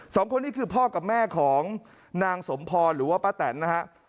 สองคนนี้คือพ่อกับแม่ของนางสมพรหรือว่าป้าแตนนะครับ